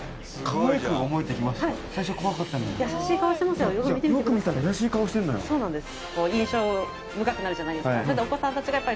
深くなるじゃないですか